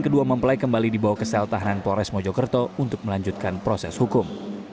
kedua mempelai kembali dibawa ke sel tahanan polres mojokerto untuk melanjutkan proses hukum